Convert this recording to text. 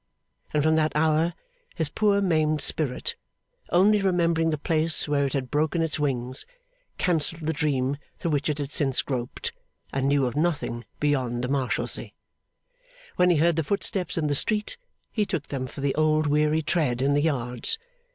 And from that hour his poor maimed spirit, only remembering the place where it had broken its wings, cancelled the dream through which it had since groped, and knew of nothing beyond the Marshalsea. When he heard footsteps in the street, he took them for the old weary tread in the yards.